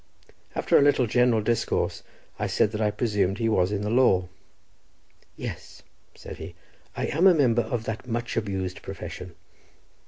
After a little general discourse, I said that I presumed he was in the law. "Yes," said he, "I am a member of that much abused profession."